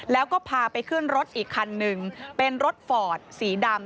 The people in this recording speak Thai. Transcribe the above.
แล้วก็พาไปขึ้นรถอีกคันหนึ่งเป็นรถฟอร์ดสีดำ